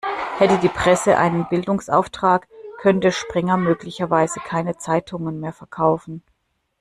Hätte die Presse einen Bildungsauftrag, könnte Springer möglicherweise keine Zeitungen mehr verkaufen.